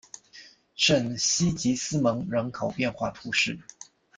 圣西吉斯蒙人口变化图示